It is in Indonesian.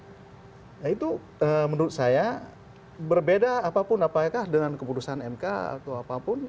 nah itu menurut saya berbeda apapun apakah dengan keputusan mk atau apapun